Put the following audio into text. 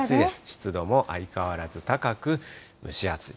湿度も相変わらず高く、蒸し暑い。